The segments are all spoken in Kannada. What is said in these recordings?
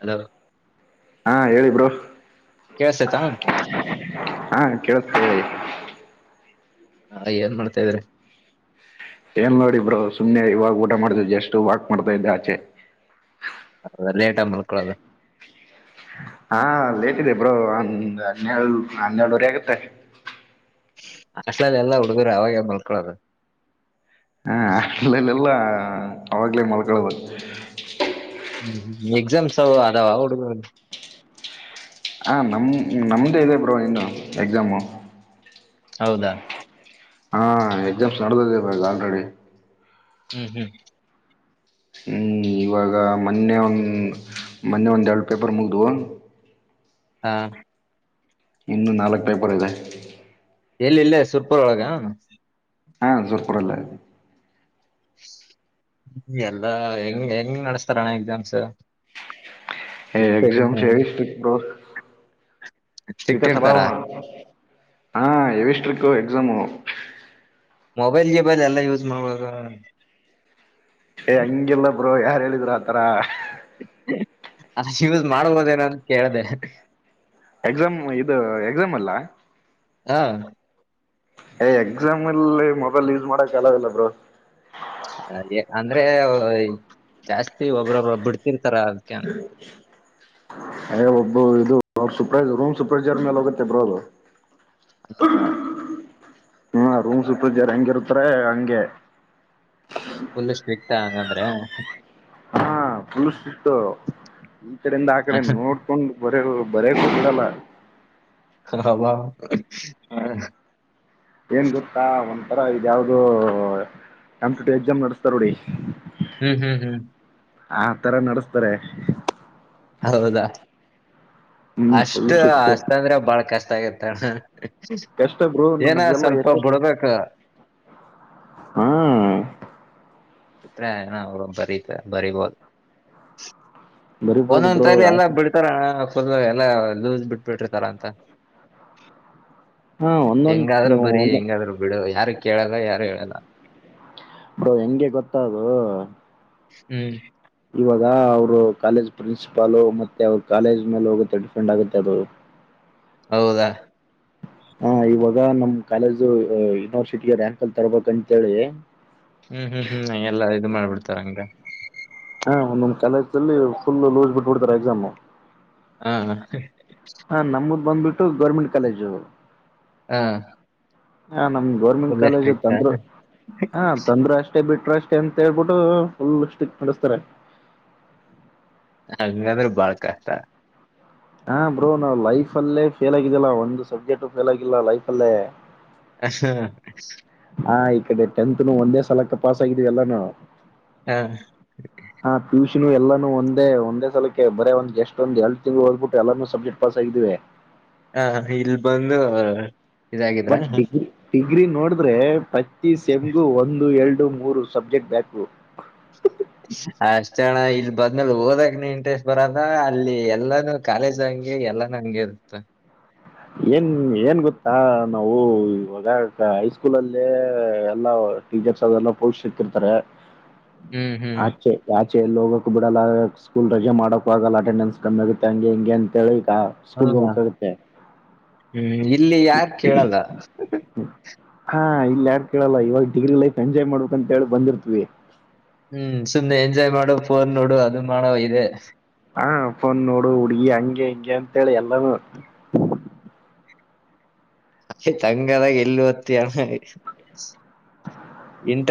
ಹಲೋ ಹಾ ಹೇಳಿಬರು ಹಾ ಕೇಳ್ತ ಹ ಅಯ್ಯನ್ ಮಾಡ್ತಾ ಇದ್ರಿ ಏನ್ ನೋಡಿಬ್ರೋ ಸುಮ್ನೆ ಇವಾಗ ಊಟ ಮಾಡ್ತ ಎಷ್ಟು ವಾಕ್ ಮಾಡ್ತಾ ಇದ್ದೆ ಆಚೆ ಹದ ಲೇಟ್ ಆ ಮಳ್ಕೊಳೋದು ಹಾ ಲೇಟ್ ಇದೆ ಬ್ರೋ ಒಂದ್ ಹೆ ಹನ್ನೆೇಳುವರೆ ಆಗತ್ತೆ ಅಷ್ಟ್ಲಲ್ಲಿ ಎಲ್ಲ ಹುಡುಗರು ಅವಾಗ ಮಲ್ಕೊಳದು ಹಾ ಅಲ್ಲಲ್ಲೆಲ್ಲಾ ಅವಾಗ್ಲೇ ಮಲ್ಕಳಬೇಕದು ಹ್ಮ್ ಎಕ್ಸಾಮ್ಸ್ ಅದಾವ ಹುಡುಗ ಹಾಂ ನಮ್ಮ ನಮ್ಮ್ದೇ ಇದೆ ಬ್ರೋ ಇನ್ನು ಎಕ್ಸಾಮು ಹೌದಾ ಹಾ ಎಕ್ಸಾಮ್ಸ್ ನಡೆದದೆ ಮಾಗ ಆಲ್ರೆಡಿ ಹ್ಮ್ ಹ್ಮ್ ಹ್ಮ್ ಇವಾಗ ಮೊನ್ನೆ ಒನ್ ಮೊನ್ನೆ ಒಂದು ಎರಡು ಪೇಪರ್ ಮುಗ್ದು ಹಾ ಇನ್ನೊ ನಾಲ್ಕ ಪೇಪರ್ ಇದೆ ಎಲ್ಲಿ ಇಲ್ಲೆ ಸುರಪೂರೊಳಗ ಹಾ ಸುರಪುರಲೇ ಎಲ್ಲಾ ಹೆಂಗ ಹೆಂಗ ನಡಸ್ತಾರಣ್ಣ ಎಕ್ಸಾಮ್ಸ್ ಎ ಎಕ್ಸಾಮ್ ಹೇವಿ ಸ್ಟ್ರಿಕ್ಟೋ ಸ್ಟ್ರಿಕ್ಟ್ [unintelligible] ಇಡ್ತಾರ ಹಾ ಹೆವಿ ಸ್ಟಿರಕೊ ಎಕ್ಸಾಮು ಮೊಬೈಲ್ ಗಿಬೈಲ್ ಎಲ್ಲ ಯೂಸ್ ಮಾಡಬಹುದಾ ಏ ಹಂಗಿಲ್ಲ ಬ್ರೋ ಯಾರ ಹೇಳಿದ್ರು ಆತರ ಅಷ್ಟ ಯೂಸ್ ಮಾಡಬೋದೇನಂತ ಕೇಳ್ದೆ ಎಕ್ಸಾಮ್ ಇದು ಎಕ್ಸಾಮ್ ಅಲ್ಲ ಹಾ ಏ ಎಕ್ಸಾಮ್ ಅಲ್ಲಿ ಮೊಬೈಲ್ ಯೂಸ್ ಮಾಡಕ್ ಅಲೊ ಇಲ್ಲ ಬ್ರೋ ಅಂದ್ರೆ ಜಾಸ್ತಿ ಒಬ್ರೊಬ್ರ ಬಿಡ್ತಿರ್ತಾರ ಅದಕ ಅಯ ಒಬ್ಬ ಇದು ಸುಪ್ರೈಜರ್ ರೂಮ್ ಸುಪ್ರೈಜರ್ ಮೇಲೆ ಹೋಗುತ್ತೆ ಬ್ರೋ ಅದು ಹಾ ಹ್ಮ ರೂಮ್ ಸೂಪರೈಸರ್ ಹೆಂಗ ಇರ್ತಾರೆ ಹಂಗೆ ಫುಲ್ ಸ್ಟ್ರಿಕ್ ಹಂಗಂದ್ರೆ ಹಾ ಪುಲ್ ಸ್ಟ್ರಿಕು ಈ ಕಡೆಯಿಂದ ಆ ಕಡೆ ನೋಡ್ಕೊಂಡು ಬರ ಬರೇಕ ಬಿಡಲ್ಲ ಅಬ್ಬಾ ಹ ಏನ್ ಗೊತ್ತಾ ಒಂಥರ ಇದ ಯಾವ್ದೋ ಕಂಪಿಟೇಟಿವ್ ಎಕ್ಸಾಮ್ ನಡೆಸ್ತಾರ ನೋಡಿ ಈಗ ಹ್ಮ್ ಹ್ಮ್ ಹ್ಮ್ ಆ ತರ ನಡಸ್ತರೆ ಹೌದಾ ಹ್ಮ್ ಅಷ್ಟ ಫುಲ್ ಶಿಸ್ತು ಅಷ್ಟ ಅಂದ್ರ ಬಾಳ ಕಷ್ಟ ಆಗತ್ತಣ್ಣ ಕಷ್ಟ ಬ್ರೋ ಏನ ಸ್ವಲ್ಪ ಬುಡ್ಬೇಕ ಹ್ಮ್ ಬಿಟ್ರೆ ನಾವ ಬರೀ ಬರಿಬೋದು ಬರಿಬೋದು ಒಂದೊಂದ್ ಬ್ರೋ ಸರಿ ಎಲ್ಲಾ ಆಶೀಶ್ ಬಿಡ್ತಾರಣ್ಣ ದ ಎಲ್ಲಾ ಲೂಸ್ ಬಿಟ್ಬಿಟ್ರಿತಾರ ಅಂತ ಹಾ ಒಂದೊಂದ್ ಹೆಂಗಾದ್ರು ಬರಿ ಒಂದ ಹೆಂಗಾದ್ರು ಬಿಡು ಯಾರು ಕೇಳಲ್ಲ ಯಾರು ಹೇಳಲ್ಲ ಬ್ರೋ ಹೆಂಗೆ ಗೊತ್ತಾ ಅದು ಹ್ಮ್ ಇವಾಗ ಅವರು ಕಾಲೇಜ್ ಪ್ರಿನ್ಸಿಪಾಲು ಮತ್ತೆ ಅವ್ರ ಕಾಲೇಜ್ ಮೇಲೆ ಹೋಗುತ್ತೆ ಡಿಫೆಂಡ್ ಆಗುತ್ತೆ ಅದು ಹೌದಾ ಹ ಇವಾಗ ನಮ್ ಕಾಲೇಜು ಯೂನಿವರ್ಸಿಟಿ ರಾಂಕಲ್ ತರ್ಬೇಕಂತೇಳಿ ಹ್ಮ್ ಹ್ಮ್ ಹ್ಮ್ ಎಲ್ಲಾ ಇದು ಮಾಡ್ಬಿಡ್ತಾರ ಹಂಗ ಒಂದ್ ಒಂದ್ ಕಾಲೇಜ್ನಲ್ಲಿ ಫುಲ್ ಲೂಸ್ ಬಿಟ್ಬಿಡ್ತಾರ ಎಕ್ಸಾಮು ಹಾ ಹಾ ನಮುದ್ ಬಂದ್ಬಿಟ್ಟು ಗೌರ್ಮೆಂಟ್ ಕಾಲೇಜು ಹಾ ಹ ನಮದ ಗೌರ್ಮೆಂಟ್ ಕಾಲೇಜ್ ತಂದ್ರರು ಹ ತಂದ್ರೊ ಅಷ್ಟೇ ಬಿಟ್ಟ ಷ್ಟೆ ಅಂತ ಹೇಳ್ಬಿಟ್ಟು ಪುಲ್ ಸ್ಟ್ರಿಕ ನಡಸ್ತಾರೆ ಹಂಗಂದ್ರ ಬಾಳ್ ಕಷ್ಟ ಹಾ ಬ್ರೋ ನಾವ್ ಲೈಫ್ ಅಲ್ಲೇ ಫೇಲ್ ಆಗಿದಿಲ್ಲ ಒಂದು ಸಬ್ಜೆಕ್ಟ್ ಫೇಲ್ ಆಗಿಲ್ಲ ಲೈಫ್ ಅಲ್ಲೇ ಹ ಹ ಹಾ ಈ ಕಡೆ ಟೆಂತ್ನು ಒಂದೇ ಸಲಕ್ಕೆ ಪಾಸ್ ಆಗಿದೀವಿ ಎಲ್ಲಾನ ಹ ಹ ಹಾ ಪಿ ಯು ಷಿ ಎಲ್ಲಾನು ಒಂದೇ ಒಂದೇ ಸಲಕ್ಕೆ ಬರೇ ಒಂದ್ ಜಸ್ಟ್ ಒಂದ ಎರಡು ತಿಂಗಳು ಓದ್ಬಿಟ್ಟು ಎಲ್ಲನೋ ಸಬ್ಜೆಕ್ಟ್ ಪಾಸ್ ಆಗಿದಿವಿ ಹ ಇಲ್ ಬಂದು ಇದಾಗಿದ್ರ ಬಟ್ ಡಿಗ್ರಿ ಡಿಗ್ರಿ ನೋಡಿದ್ರೆ ಪ್ರತಿ ಸೆಮ್ಗು ಒಂದು ಎರಡು ಮೂರು ಸಬ್ಜೆಕ್ಟ್ ಬ್ಯಾಕು ಅಷ್ಟೇ ಅಣ ಇಲ್ ಬದ್ಮೇಲೆ ಹೋದಕ್ನ ಇಂಟ್ರೆಸ್ಟ್ ಬರದ ಅಲ್ಲಿ ಎಲ್ಲಾನು ಕಾಲೇಜ್ದಾಗ ಏನ್ ಎಲ್ಲಾನ ಹಂಗೆ ಇರುತ್ತ. ಏನ್ ಏನ್ ಗೊತ್ತಾ ನಾವು ಇವಾಗ ಹೈಸ್ಕೂಲಲ್ಲೇ ಎಲ್ಲ ಟೀಚರ್ಸ್ ಅಲ್ಲೆಲ್ಲ ಪೋರ್ ಸಿಕ್ಕಿರ್ತಾರೆ ಹ್ಮ್ ಹ್ಮ್ ಆಚೆ ಆಚೆ ಎಲ್ಲೋಗಕ್ ಬಿಡಲ್ಲ ಸ್ಕೂಲ್ ರಜೆ ಮಾಡೋಕೂ ಆಗಲ್ಲ ಅಟೆಂಡೆನ್ಸ್ ಕಮ್ಮಿ ಆಗುತ್ತೆ ಹಂಗೆ ಹೆಂಗೆ ಅಂತ ಹೇಳಿ ಆ ಸ್ಕೂಲ್ಗ್ ಅಲ್ವಾ ಹೋಗ್ಬೇಕಾಗುತ್ತೆ. ಹ್ಮ್ ಇಲ್ಲಿ ಯಾರ್ ಕೇಳಲ್ಲ. ಹಾ ಇಲ್ಲ್ ಯಾರ್ ಕೇಳಲ್ಲ ಇವಾಗ್ ಡಿಗ್ರಿ ಲೈಫ್ ಎಂಜಾಯ್ ಮಾಡ್ಬೇಕ್ ಅಂತ ಹೇಳಿ ಬಂದಿರ್ತವಿ. ಹ್ಮ್ ಸುಮ್ನೆ ಎಂಜಾಯ್ ಮಾಡು ಫೋನ್ ನೋಡು ಅದ್ನ್ ಮಾಡು ಇದೇ. ಹಾ ಫೋನ್ ನೋಡು ಹುಡ್ಗಿ ಹಂಗೆ ಹಿಂಗೆ ಅಂತೇಳಿ ಎಲ್ಲಾನು ತಂಗದಾಗ ಎಲ್ಲ್ ಓದ್ತೀಯಾ?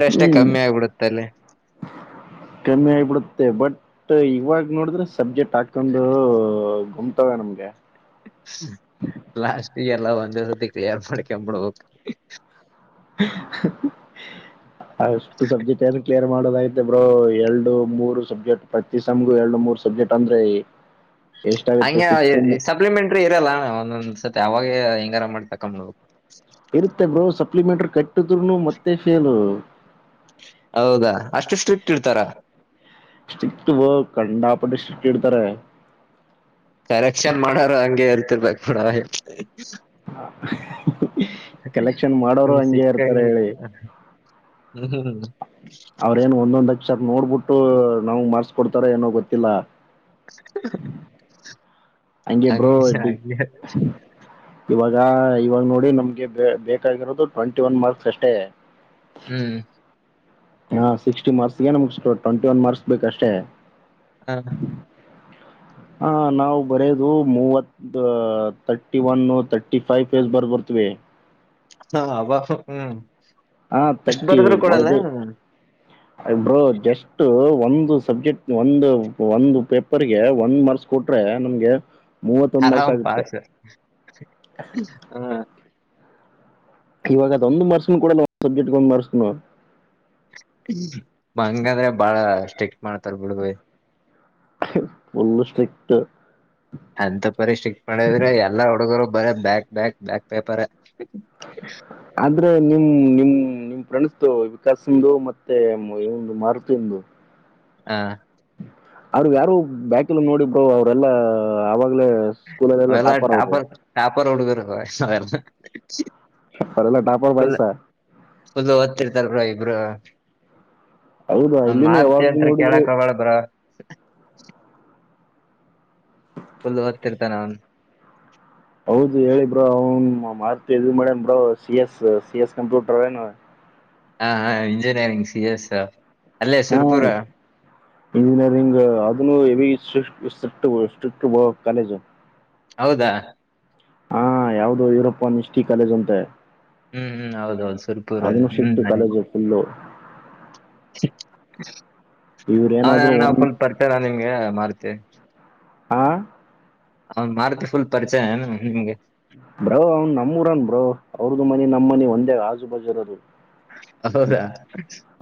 ಹ್ಮ್ ಕಮ್ಮಿ ಆಗ್ಬಿಡತ್ತೆ ಬಟ್ ಇವಾಗ್ ನೋಡಿದ್ರೆ ಸಬ್ಜೆಕ್ಟ್ ಹಾಕೊಂಡೂ ಗುಮ್ತಾವ ನಮ್ಗೆ. ಲಾಸ್ಟ್ ಇಯರ್ಲ್ಲ ಒಂದೇ ಸತಿ ಕ್ಲಿಯರ್ ಮಾಡಿಕಂಬುಡು. ಅಷ್ಟು ಸಬ್ಜೆಕ್ಟ್ ಯಾರೂ ಕ್ಲಿಯರ್ ಮಾಡೋದಾಯ್ತೆ ಬ್ರೋ ಎರಡು ಮೂರು ಸಬ್ಜೆಕ್ಟ್ ಪ್ರತಿ ಸಮ್ಗು ಎರಡು ಮೂರ್ ಸಬ್ಜೆಕ್ಟ್ ಅಂದ್ರೆ ಹ ಎಷ್ಟಾಗುತ್ತೆ ಹಂಗೆ ಆ ಸಿಕ್ಸ್ ಸೆಮ್ ಸಪ್ಲಿಮೆಂಟ್ರಿ ಇರಲ್ಲ ಒಂದೊಂದ್ಸತಿ ಅವಾಗ ಹೆಂಗಾರ ಮಾಡ್ ತಕ್ಕಂಬೋದು. ಇರುತ್ತೆ ಬ್ರೋ ಸಪ್ಲಿಮೆಂಟ್ರಿ ಕಟ್ಟಿದ್ರುನು ಮತ್ತೆ ಫೇಲು. ಹೌದಾ ಅಷ್ಟು ಸ್ಟ್ರಿಕ್ಟ್ ಇರ್ತಾರ? ಸ್ಟಿಕ್ಟ್ ಬ್ರೊ ಕಂಡಾಪಟ್ಟ ಸ್ಟಿಕ್ ಇಡ್ತಾರೆ. ಕರೆಕ್ಷನ್ ಮಾಡೋರು ಹಂಗೆ ಇರ್ತಿರ್ಬೇಕ್ ಬಿಡೊ ಕಲೆಕ್ಷನ್ ಮಾಡೋರು ಹಂಗೆ ಇರ್ತಾರೇಳಿ. ಹ್ಮ್ ಹ್ಮ್ ಹ್ಮ ಅವ್ರೇನ್ ಒಂದೊಂದ್ ಅಕ್ಷರ ನೋಡ್ಬುಟ್ಟು ನಾಮ್ಗ ಮಾರ್ಕ್ಸ್ ಕೊಡ್ತಾರೊ ಏನೋ ಗೊತ್ತಿಲ್ಲ. ಹಂಗೆ ಬ್ರೋ ಇ ಇವಾಗ ಆ ಇವಾಗ ನೋಡಿ ನಮ್ಗೆ ಬೇಕಾಗಿರೋದು ಟ್ವೆಂಟಿ ಒನ್ ಮಾರ್ಕ್ಸ್ ಅಷ್ಟೇ. ಹ್ಮ್ ಹಾ ಸಿಕ್ಸ್ಟಿ ಮಾರ್ಕ್ಸ್ಗೆ ನಮ್ಗ್ ಟ್ವೆಂಟಿ ಒನ್ ಮಾರ್ಕ್ಸ್ ಬೇಕ್ ಅಷ್ಟೇ. ಹಾ ಹ ನಾವು ಬರೆಯೋದು ಮೂವತ್ thirty one thirty five page ಬರ್ಬರ್ತವಿ. ಹ ಸ ಅವಾಗ್ ಹ್ಮ್ ಹಾ ಎಷ್ಟ್ ತರ್ಟಿ ಬರದ್ರು ಕೊಡಲ್ಲ? ಇದು ಹ್ಮ್. ಬ್ರೋ ಜಸ್ಟ್ ಟ್ಟು ಒಂದು ಸಬ್ಜೆಕ್ಟ್ ಒಂದು ಒಂದು ಪೇಪರ್ಗೆ ಒಂದ್ ಮಾರ್ಕ್ಸ್ ಕೊಟ್ರೆ ನಮ್ಗೆ ಮೂವತ್ತೊಂದು ಮಾರ್ಕ್ಸ್ ಆರಾಮ್ ಆಗುತ್ತೆ ಪಾಸು ಹ್ಮ. ಇವಾಗ ಅದೊಂದ್ ಮಾರ್ಕ್ಸನು ಕೊಡಲ್ವ ಒಂದ್ ಸಬ್ಜೆಕ್ಟ್ ಒಂದ್ ಮರ್ಕ್ಸುನೂ. ಹಂಗಾದ್ರೆ ಬಾಳ ಸ್ಟ್ರಿಕ್ಟ್ ಮಾಡ್ತಾರ ಬಿಡ್ ಭೖ. Full strict. ಅಂತ ಪರಿ ಸ್ಟ್ರಿಕ್ಟ್ ಮಾಡಿದ್ರೆ ಎಲ್ಲಾ ಹುಡುಗ್ರು ಬರ ಬ್ಯಾಕ್ ಬ್ಯಾಕ್ ಬ್ಯಾಕ್ ಪೇಪರೇ. ಅಂದ್ರೆ ನಿಮ್ ನಿಮ್ ನಿಮ್ ಫ್ರೆಂಡ್ಸ್ದು ವಿಕಾಸುಂದು ಮತ್ತೆ ಇವ್ನ್ಂದು ಮಾರುತಿಂದು ಹಾ ಅವ್ರ್ ಯಾರು ಬ್ಯಾಕಿಲ್ಲ ನೋಡಿ ಬ್ರೋ ಅವ್ರೆಲ್ಲ ಆವಾಗ್ಲೇ ಸ್ಕೂಲಲೆಲ್ಲ ಟಾಪರ್ ಅವ್ರು. ಪರ್ ಹುಡುಗ್ರು ಅಷ್ಟ್ ಚೆನ್ನಾಗಿರುತ್ ಅವರೆಲ್ಲ ಟಾಪರ್ ಫುಲ್ ಬಾಯ್ಸ ಫುಲ್ಲು ಓದ್ತಿರ್ತಾರ್ ಬಿಡೊ ಇಬ್ರು. ಹೌದು ಹಂಗ್ ಇಲ್ಲಿನೂ ಮಾರ್ತಿ ಯಾವಾಗ ಅಂತ್ರಿ ನೋಡಿದ್ರು ಕೇಳಕ್ಕಾಗಲ್ಲ ಬ್ರೋ. ಫುಲ್ ಓದ್ತಿರ್ತಾನ ಅವನು. ಹೌದು ಹೇಳಿ ಬ್ರೋ ಅವ್ನು ಮಾರ್ಕು ಇದು ಮಾಡೇನ್ bro C S C S ಕಂಪ್ಯೂಟರೇನು? ಹಾ ಹ ಇಂಜಿನಿಯರಿಂಗ್ ಸಿ ಎಸ್ ಅಲ್ಲೇ ಹಾ ಸುರ್ಪುರ. ಇಂಜಿನಿಯರಿಂಗ್ ಅದನ್ನು ಹೆವಿ [unintelligible] ಕಾಲೇಜು ಹೌದಾ ಹಾ ಯಾವ್ದು ಯುರಪ್ಪ ನಿಸ್ತಿ ಕಾಲೇಜು ಅಂತೆ ಹ್ಮ್ ಹ್ಮ್ ಹೌದೌದು್ ಸ್ವಲ್ಪ ದೂರ ಇದೆ ಅದನ್ನು ಸ್ಟ್ರಿಕ್ಟ್ ಹ್ಮ್ ಆಯ್ತ್ ಕಾಲೇಜು ಫುಲ್ಲು ಅವ್ನ್ ಇವ್ರೇನಾದ್ರು ಏನ್ ಒಂದ್ ಫುಲ್ ಪರಿಚಯನ ನಿಮ್ಗೆ ಮಾರುತಿ ಹಾ ಅವನ್ ಮಾಡ್ತ ಫುಲ್ ಪರಿಚಯ ನಿಮ್ಗೆ ಬ್ರೋ ಅವ್ನ್ ನಮ್ಮೂರನ್ ಬ್ರೋ ಅವ್ರದ್ದ ಮನಿ ನಮ್ಮ ಮನಿ ಒಂದೇ ಆಜು ಬಾಜು ಇರೋದು ಹೌದಾ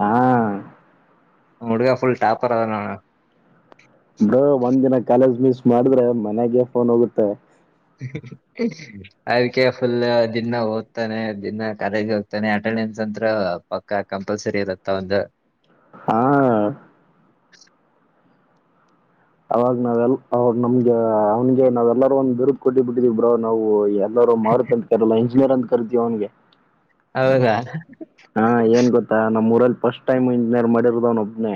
ಹಾ ನಮ್ಮ ಹುಡ್ಗ ಫುಲ್ ಟಾಪರ್ ನ ಬ್ರೋ ಒಂದಿನ ಕಾಲೇಜ್ ಮಿಸ್ ಮಾಡಿದ್ರೆ ಮನೆಗೆ ಫೋನ್ ಹೋಗುತ್ತೆ ಅದಕ್ಕೆ ಫುಲ್ ದಿನ ಓದ್ತಾನೆ ದಿನ ಕಾಲೇಜ್ ಹೋಗ್ತಾನೆ ಅಟೆಂಡೆನ್ಸ್ ಅಂತ ಪಕ್ಕ ಕಂಪಲ್ಸರಿ ಇರತ್ತ ಒಂದು ಹಾ ಅವಾಗ ನಾವೆಲ್ ಅವ್ರು ನಮ್ಗೆ ಅವನ್ಗೆ ನಾವೇಲ್ಲಾರೂ ಒಂದ ಬಿರುದು ಕೊಟ್ಟಿ ಬಿಟ್ಟಿದವಿ ಬ್ರೋ ನಾವು ಎಲ್ಲರು ಮಾರುತಿ ಅಂತ ಕರಿಯಲ್ಲ ಇಂಜಿನಿಯರ್ ಅಂತ ಕರಿತೀವಿ ಅವನ್ಗೆ ಹೌದಾ ಹಾ ಏನ್ ಗೊತ್ತಾ ನಮ್ಮ್ರಲ್ಲಿ ಫಸ್ಟ್ ಟೈಮ್ ಇಂಜಿನಿಯರ್ ಮಾಡಿರದ ಅವ್ನೊಬ್ನನೆ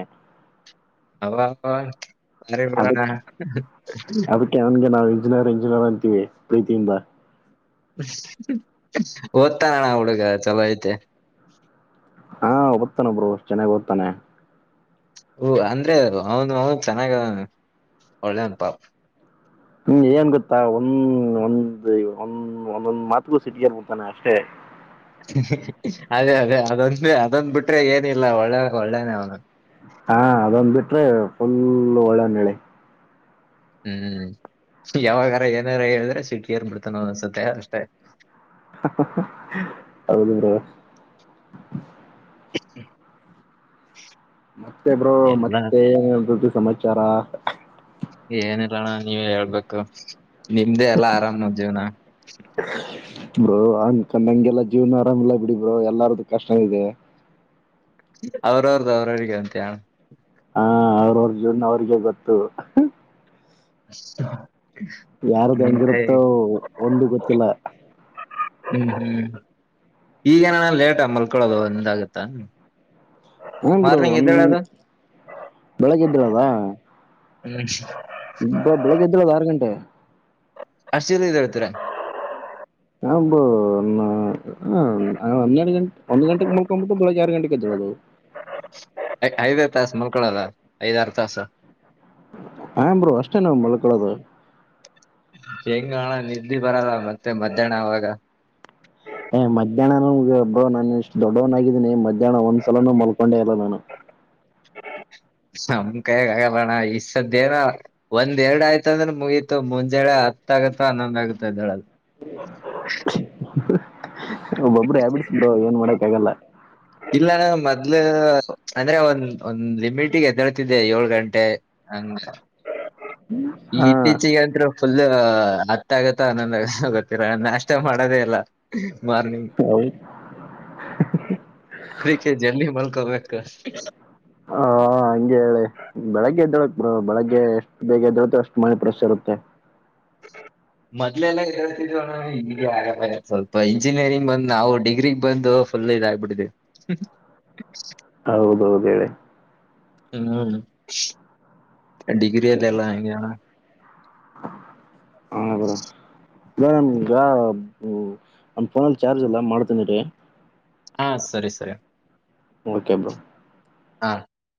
ಅದಕ್ಕೆ [unintelligible] ಇಂಜಿನಿಯರಿಂಗ್ ಇಂಜಿನಿಯರಿಂಗ್ ಅಂತೀವಿ ಪ್ರೀತಿಯಿಂದ ಓದ್ತಾನ ಅಣ್ಣ ಹುಡ್ಗ ಚಲೋ ಐತೆ ಹಾ ಓದ್ತಾನೆ ಬ್ರೋ ಚೆನ್ನಾಗ್ ಓದ್ತಾನೆ ಹೂ ಅಂದ್ರೆ ಅವನು ಅವ ಚೆನ್ನಾಗ ಒಳ್ಳೆವನಪಾ ಹ್ಮ್ ಏನ್ ಗೊತ್ತಾ [unintelligible] ಒಂದೊಂದ್ ಮಾತ್ಗೂ ಸಿಟಿಗೆಲ್ಬಡ್ತಾನೆ ಅಷ್ಟೇ ಅದೇ ಅದೇ ಅದೊಂದ ಅದೊಂದ ಬಿಟ್ರೆ ಏನಿಲ್ಲ ಒಳ್ಳೆ ಒಳ್ಳೇನೆ ಅವ್ನು ಹಾ ಅದೊಂದ್ ಬಿಟ್ರೆ ಫುಲ್ ಒಳ್ಳೆಯವನು ಹೇಳಿ ಹ್ಮ್ ಯಾವಾಗಾರ ಏನಾರ ಹೇಳಿದ್ರೆ ಸಿಟ್ಟಿಗೆ ಎರ್ಬಿಡ್ತಾನೆ ಒಂದೊಂದು ಸತಿ ಅಷ್ಟೆ ಹೌದು ಬ್ರೋ [unintelligible] ಮತ್ತೆ ಬ್ರೋ ಎಲ್ಲ ಮತ್ತೆ ಏನದ್ದು ಸಮಾಚಾರ ಏನಿಲ್ಲಣ್ಣ ನೀವೇ ಹೇಳ್ಬೇಕು ನಿಮ್ದೇ ಎಲ್ಲಾ ಆರಾಮ್ ಜೀವ್ನ ಬ್ರೋ ಅನ್ಕೊಂಡೆಗ್ಲ ಜೀವನ ಆರಾಮಿಲ್ಲಾ ಬಿಡಿ ಬ್ರೋ ಎಲ್ಲಾರ್ದು ಕಷ್ಟ ಇದೆ ಅವರೋವದು ಅವರೋರಿಗೆ ಅಂತೀಯಾ ಅಣ್ಣ ಹಾ ಅವ್ರವ್ರ ಜೀವ್ನ ಅವ್ರಿಗೆ ಗೊತ್ತು [unintelligible] ಯಾರ್ದು ಹ್ಮ್ ಹೆಂಗಿರುತ್ತೋ ಒಂದು ಗೊತ್ತಿಲ್ಲ ಹ್ಮ್ ಹ್ಮ್ ಈಗೇನಾನ ಲೇಟ ಮಲ್ಕೊಳೋದು ನಿಂದಾಗತ್ತ ಹ್ಮ್ ಬ್ರೋ ಒಂದ್ [inaudible] ಬೆಳಗ್ ಎದ್ದಿರೋದ [unintelligible] ಇಬ್ಬ ಬೆಳಿಗ್ಗೆದರು ಅದು ಆರು ಗಂಟೆ ಅಷ್ಟು ಜಲ್ದಿ ಎದ್ದೇಳ್ತಿರಾ [unintelligible] ಹಾ ಹನ್ನೆರಡು ಗಂಟೆ ಒಂದು ಗಂಟೆಗೆ ಮಳ್ಕೊಬಿಟ್ಟು ಬೆಳಗ್ಗೆ ಆರು ಗಂಟೆಗೆದ್ದಳ [unintelligible] ಐದೇ ತಾಸ ಮಲ್ಕೊಳಲ್ಲ ಐದಾರು ತಾಸ ಹಾ ಬ್ರೋ ಅಷ್ಟೇ ನಾವ ಮಲ್ಕೋಳೊದು ಹೆಂಗ್ ಅಣ್ಣ ನಿದ್ದಿ ಬರಲ್ಲ ಮತ್ತೆ ಮಧ್ಯಾಹ್ನ ಅವಾಗ ಮಧ್ಯಾಹ್ನನು ಬ್ರೋ ನಾನು ಇಷ್ಟು ದೊಡ್ಡವನಾಗಿದ್ದೀನಿ ಮಧ್ಯಾಹ್ನ ಒಂದ್ಸಲಾನ ಮಲ್ಕೊಂಡೆ ಇಲ್ಲ ನಾನು [inaudible] ನಮ್ ಕೈಗ್ ಆಗಲ್ಲಣ್ಣ ಈ ಸತಿ ಏನೋ ಒಂದ್ ಎರಡು ಆಯ್ತು ಅಂದ್ರೆ ಮುಗೀತು ಮುಂಜಳೆ. ಹತ್ತ ಆಗುತ್ತ ಆನೊಂದ್ ಆಗುತ್ತ ಎದ್ದೇಳುವುದು. ಒಬ್ಬೊಬ್ರು ಹ್ಯಾಬಿಟ್ಸ್ ಬ್ರೋ ಏನ್ ಮಾಡೋಕ್ಕ ಆಗಲ್ಲ. ಇಲ್ಲಾನ ಮೊದ್ಲು ಅಂದ್ರೆ ಒಂದ್ ಒಂದ್ ಲಿಮಿಟಿಗೆ ಎದ್ದಳ್ತಿದ್ದೆ ಏಳ್ ಗಂಟೆ. ಹಂಗ [unintelligible] ಇ ಹಾ ಇತ್ತೀಚೆಗೆ ಅಂದ್ರು ಫುಲ್ ಹತ್ತ ಆಗತ್ತ ಹನ್ನೊಂದ್ ಆಗತ್ತ ಗೊತ್ತಿಲ್ಲ ನಾಷ್ಟ ಮಾಡೋದೇ ಇಲ್ಲ. ಮಾರ್ನಿಂಗ್ ಹೌ [unintelligible] [unintelligible] ಜಲ್ದಿ ಮಲ್ಕೋಬೇಕು ಹಾ ಹ ಹಂಗೆ ಏಳಿ ಬೆಳಗ್ಗೆ ಎದ್ದೇಳೋದ್ ಇ ಬೆಳಗ್ಗೆ ಎಷ್ಟು ಬೇಗ ಎದ್ದೇಳ್ತಿವೋ ಅಷ್ಟು ಮೈಂಡ್ ಫ್ರೆಶ್ ಇರುತ್ತೆ. [inaudible] ಮೊದಲೆಲ್ಲ [unintelligible] ಸ್ವಲ್ಪ ಇಂಜಿನಿಯರಿಂಗ್ ಬಂದು ನಾವು ಡಿಗ್ರಿಗ್ ಬಂದು ಎಲ್ಲ ಇದಗ್ಬಿಟ್ಟಿದಿವಿ ಹೌದೌದು ಹೇಳಿ. ಹ್ಮ್ ಡಿಗ್ರಿ ಅದೆಲ್ಲ ಇನ್ನೆನ. ಹ್ಹಾ ಗುರು. ಇಲ್ಲ [unintelligible] ನಮ್ ಫೋನಲ್ಲಿ ಚಾರ್ಜ್ ಇಲ್ಲ ಮಾಡ್ತೀನಿರಿ. ಹ್ಹಾ ಸರಿ ಸರಿ. Okay bro. ಹಾ